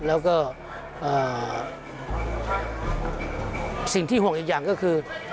แล้วก็สิ่งที่ห่วงอีกอย่างก็คือ